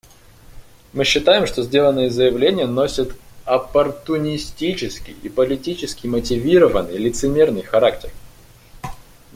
Мы считаем, что сделанные заявления носят оппортунистический и политически мотивированный, лицемерный характер.